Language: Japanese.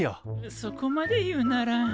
そこまで言うなら。